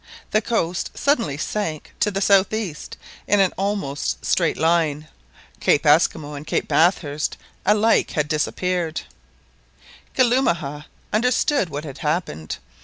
The coast suddenly sank to the south east in an almost straight line. Cape Esquimaux and Cape Bathurst had alike disappeared. Kalumah understood what had happened.